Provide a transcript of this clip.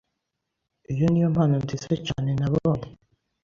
Iyo niyo mpano nziza cyane nabonye.